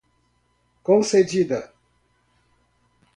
concedida